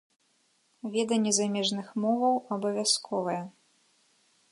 Веданне замежных моваў абавязковае.